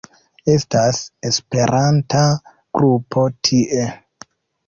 Estas esperanta grupo tie.